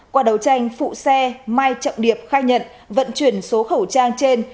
qua đấu tranh phụ xe mai trọng điệp khai nhận vận chuyển số khẩu trang trên